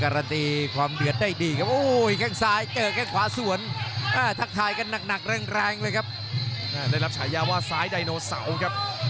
ระยะเปลี่ยนมาวัดระยะด้วย